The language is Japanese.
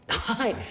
はい。